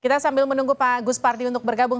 kita sambil menunggu pak gus parti untuk bergabung